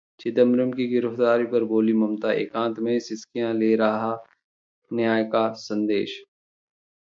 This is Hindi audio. चिदंबरम की गिरफ्तारी पर बोलीं ममता- एकांत में सिसकियां ले रहा न्याय का संदेश